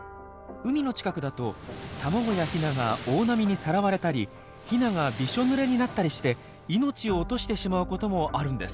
海の近くだと卵やヒナが大波にさらわれたりヒナがびしょぬれになったりして命を落としてしまうこともあるんです。